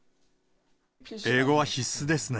英語は必須ですね。